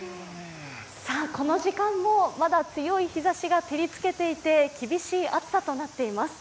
この時間もまだ強い日ざしが照りつけていて厳しい暑さとなっています。